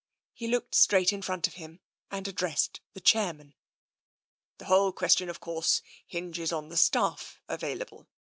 He looked straight in front of him and addressed the chairman. " The whole question, of course, hinges on the staff available.